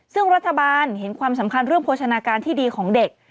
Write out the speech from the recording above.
ซึ่งรัฐบาลเห็นความสำคัญเรื่องโภชนาการที่ดีของเด็ก